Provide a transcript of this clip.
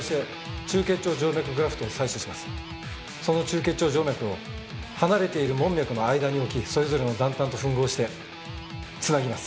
その中結腸静脈を離れている門脈の間に置きそれぞれの断端と吻合して繋ぎます。